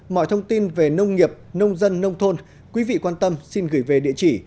mọi thông tin về nông nghiệp nông dân nông thôn quý vị quan tâm xin gửi về địa chỉ